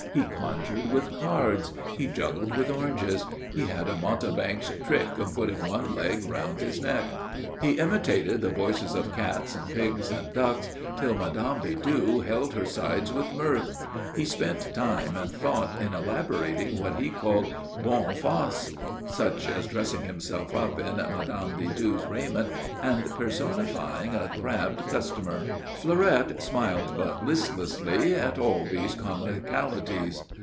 He conjured with cards; he juggled with oranges; he had a mountebank's trick of putting one leg round his neck; he imitated the voices of cats and pigs and ducks, till Mme. Bidoux held her sides with mirth. He spent time and thought in elaborating what he called bonnes farces, such as dressing himself up in Mme. Bidoux's raiment and personifying a crabbed customer. Fleurette smiled but listlessly at all these comicalities.